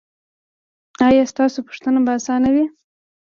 ایا ستاسو پوښتنه به اسانه وي؟